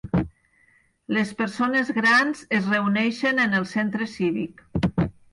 Les persones grans es reuneixen en el centre cívic.